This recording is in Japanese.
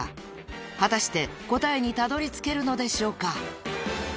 ［果たして答えにたどりつけるのでしょうか？］